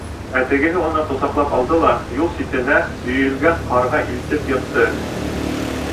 Ә тегеһе уны ҡосаҡлап алды ла юл ситенә өйөлгән ҡарға илтеп йыҡты.